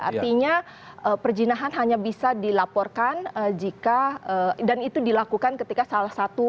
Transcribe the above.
artinya perjinahan hanya bisa dilaporkan jika dan itu dilakukan ketika salah satu